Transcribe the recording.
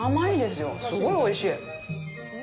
すごいおいしい！